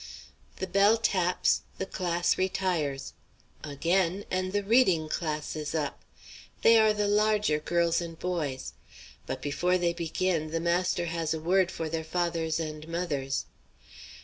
The bell taps, the class retires; again, and the reading class is up. They are the larger girls and boys. But before they begin the master has a word for their fathers and mothers.